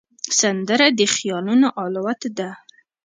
سندره د خیالونو الوت ده